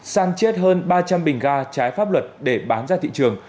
sàn chết hơn ba trăm linh bình ga trái pháp luật để bán ra thị trường